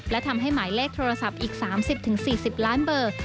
และทำให้หมายเลขโทรศัพท์อีก๓๐๔๐ล้านเบอร์